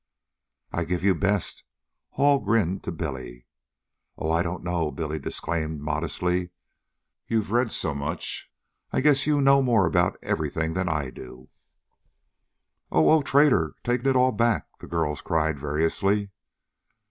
"I give you best," Hall grinned to Billy. "Oh, I don't know," Billy disclaimed modestly. "You've read so much I guess you know more about everything than I do." "Oh! Oh!" "Traitor!" "Taking it all back!" the girls cried variously.